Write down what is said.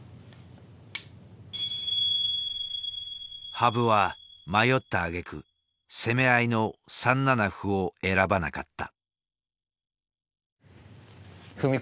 羽生は迷ったあげく攻め合いの３七歩を選ばなかった。